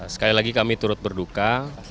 sekali lagi kami turut berduka